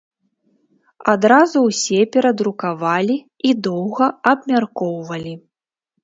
Адразу ўсе перадрукавалі і доўга абмяркоўвалі.